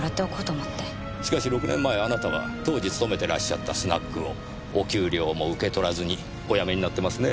しかし６年前あなたは当時勤めてらっしゃったスナックをお給料も受け取らずにお辞めになってますね。